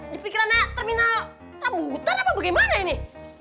dipikirannya terminal rambutan apa bagaimana ini